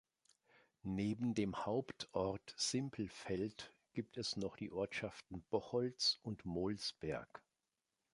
Neben dem Hauptort Simpelveld gibt es noch die Ortschaften Bocholtz und Molsberg.